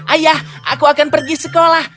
ayah aku akan pergi sekolah